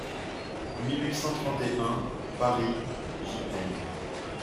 mille huit cent trente et un).Paris, J.-N.